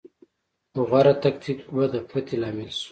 خو غوره تکتیک به د فتحې لامل شو.